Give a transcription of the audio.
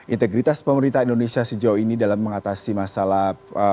integritas pemerintah indonesia sejauh ini dalam mengatasi masalah